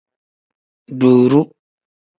Duuru.